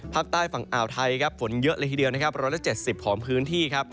ภาคใต้ฝั่งอ่าวไทยฝนเยอะเลยทีเดียว๑๗๐องศาเซียตของพื้นที่